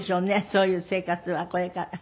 そういう生活はこれから。